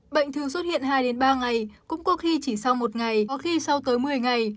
bệnh thường xuất hiện hai ba ngày cũng có khi chỉ sau một ngày khi sau tới một mươi ngày